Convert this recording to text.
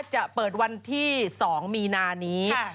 จะเปิดวันที่๒มีนานี้